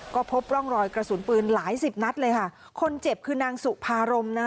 ก็พบร่องรอยกระสุนปืนหลายสิบนัดเลยค่ะคนเจ็บคือนางสุภารมนะฮะ